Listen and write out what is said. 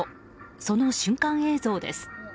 その瞬間映像です。